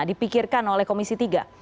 dipikirkan oleh komisi tiga